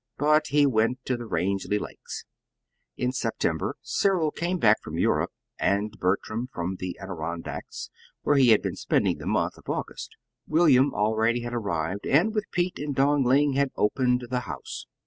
But he went to the Rangeley Lakes. In September Cyril came back from Europe, and Bertram from the Adirondacks where he had been spending the month of August. William already had arrived, and with Pete and Dong Ling had opened the house.